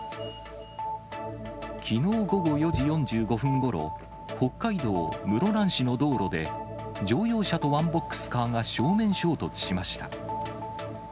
きのう午後４時４５分ごろ、北海道室蘭市の道路で、乗用車とワンボックスカーが正面衝突しました。